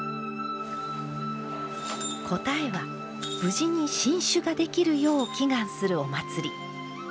答えは無事に新酒ができるよう祈願するお祭り。